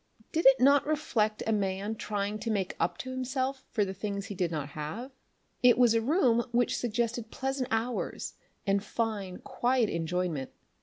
Did it not reflect a man trying to make up to himself for the things he did not have? It was a room which suggested pleasant hours and fine, quiet enjoyment.